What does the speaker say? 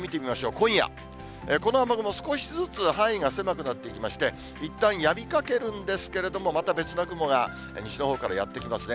今夜、この雨雲、少しずつ範囲が狭くなっていきまして、いったんやみかけるんですけれども、また別の雲が西のほうからやって来ますね。